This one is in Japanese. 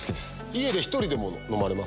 家で１人でも飲まれます？